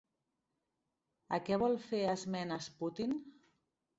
A què vol fer esmenes Putin?